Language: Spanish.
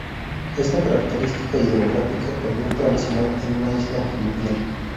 Está característica hidrográfica convierte a la ciudad en una "isla fluvial".